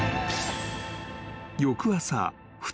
［翌朝２人は］